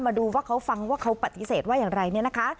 มาดูว่าเขาฟังว่าเขาปฏิเสธว่าอย่างไรเนี่ยนะคะ